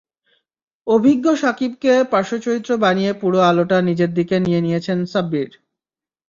অভিজ্ঞ সাকিবকে পার্শ্ব চরিত্র বানিয়ে পুরো আলোটা নিজের দিকে নিয়ে নিয়েছেন সাব্বির।